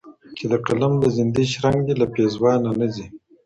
چي د قلم د زیندۍ شرنګ دي له پېزوانه نه ځي